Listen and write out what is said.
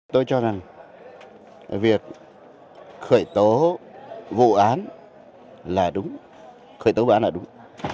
tôi cho rằng việc khởi tố vụ án là đúng khởi tố bán là đúng